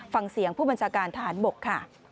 ฟังเสียงผู้บัญชาการทหารบกค่ะ